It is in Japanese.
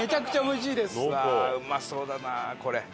うわあうまそうだなこれ。